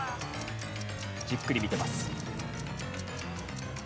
じっくり見てます。